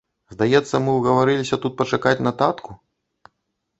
Здаецца, мы ўгаварыліся тут пачакаць на татку?